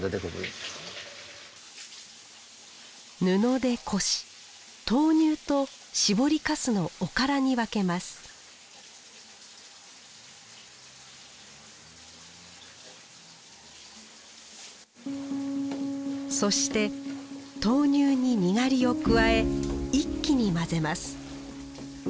布でこし豆乳と搾りかすのおからに分けますそして豆乳ににがりを加え一気に混ぜます。